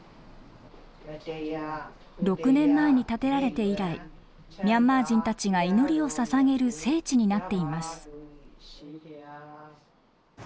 ６年前に建てられて以来ミャンマー人たちが祈りをささげる聖地になっています。